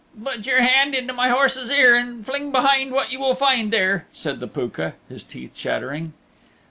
"Put your hand into my horse's ear and fling behind what you will find there," said the Pooka, his teeth chattering.